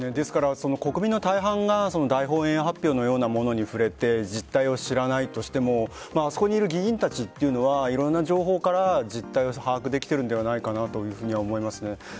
国民の大半が大本営発表のようなものに触れて実態を知らないとしてもあそこにいる議員たちというのはいろんな情報から事態を把握できているんではないかと思います。